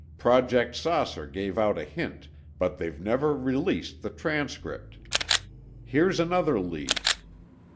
Project 'Saucer' gave out a hint, but they've never released the transcript. Here's another lead.